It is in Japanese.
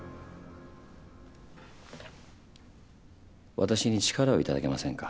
私に力を頂けませんか？